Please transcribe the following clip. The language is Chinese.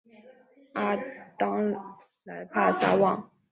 阿当莱帕萨旺。